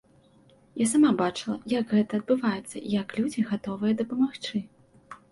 Я сама бачыла, як гэта адбываецца, як людзі гатовыя дапамагчы.